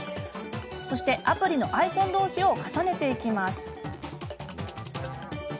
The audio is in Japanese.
アプリのアイコン同士を重ねていきます。